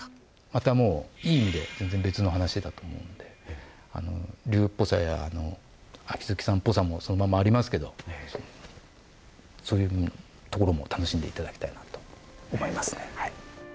いい意味で全然別の話だと思うのでリューっぽさや秋月さんっぽさもそのままありますけどそういうところも楽しんでいただきたいと思いますね。